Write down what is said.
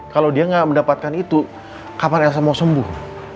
kalau dia tidak mendapatkan itu kapan elsa mau sembuh